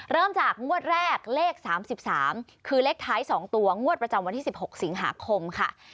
เริ่มจากงวดแรกเลข๓๓คือเลขท้าย๒ตัวงวดประจำวันที่๑๖สิงหาคมค่ะ